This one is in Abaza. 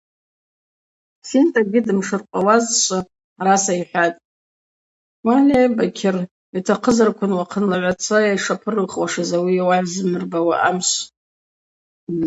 Хӏвсин тӏакӏвгьи йымшыркъваразшва араса йхӏватӏ: – Уальай, Бакьыр, йутахъызарквын уахъынлагӏваца йшапырухуашыз ауи уагӏызмырбауа амшв.